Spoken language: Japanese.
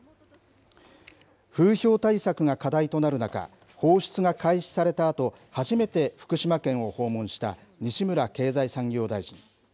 風評対策が課題となる中、放出が開始されたあと、初めて福島県を訪問した西村経済産業大臣。